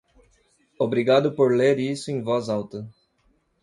Obrigado por ler isso em voz alta.